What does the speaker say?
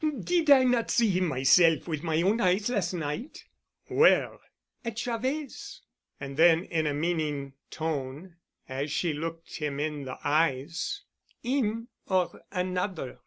"Did I not see him myself with my own eyes last night?" "Where?" "At Javet's." And then, in a meaning tone, as she looked him in the eyes, "Him—or another."